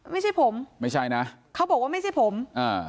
ไม่ใช่ผมไม่ใช่นะเขาบอกว่าไม่ใช่ผมอ่า